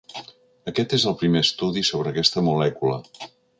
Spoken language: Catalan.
Aquest és el primer estudi sobre aquesta molècula.